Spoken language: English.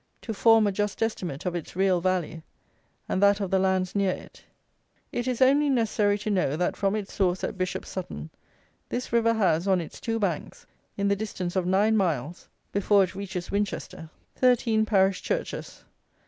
To form a just estimate of its real value, and that of the lands near it, it is only necessary to know that from its source at Bishop's Sutton this river has, on its two banks, in the distance of nine miles (before it reaches Winchester) thirteen parish churches.